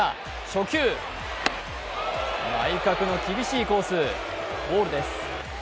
初球、内角の厳しいコース、ボールです。